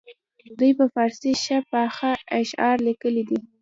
دوی په فارسي ښه پاخه اشعار لیکلي دي.